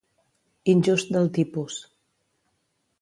Injust del tipus.